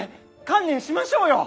観念しましょうよ！